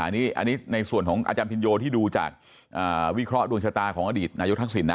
อันนี้ในส่วนของอาจารย์พินโยที่ดูจากวิเคราะห์ดวงชะตาของอดีตนายกทักษิณนะ